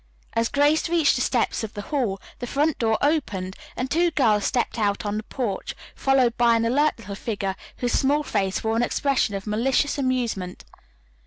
As Grace reached the steps of the Hall the front door opened and two girls stepped out on the porch, followed by an alert little figure whose small face wore an expression of malicious amusement.